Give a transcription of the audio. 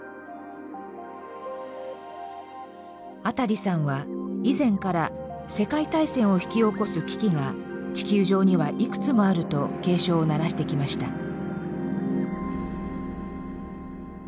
アタリさんは以前から世界大戦を引き起こす危機が地球上にはいくつもあると警鐘を鳴らしてきました。